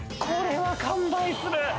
これは完売する！